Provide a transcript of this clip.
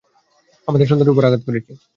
আমাদের সন্তানের উপর আঘাত করেছি।